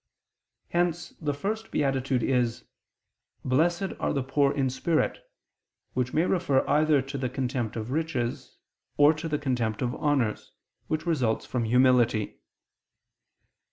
Hence the first beatitude is: "Blessed are the poor in spirit," which may refer either to the contempt of riches, or to the contempt of honors, which results from humility.